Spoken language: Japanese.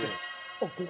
あっここ？